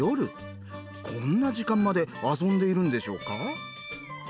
こんな時間まで遊んでいるんでしょうか？